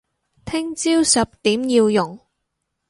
聽朝十點要用